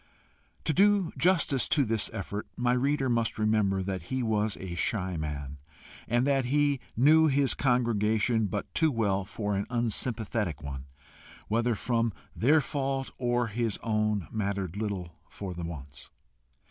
To do justice to this effort, my reader must remember that he was a shy man, and that he knew his congregation but too well for an unsympathetic one whether from their fault or his own mattered little for the nonce.